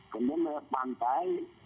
kemudian mereka pantas